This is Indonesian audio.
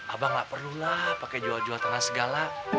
abah nggak perlulah pakai jual jual tanah segala